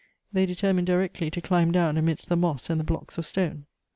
They determined directly to climb down amidst the moss and the blocks of stone.